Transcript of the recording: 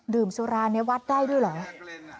ดื่มสุราเนี่ยวัดได้ด้วยเหรอ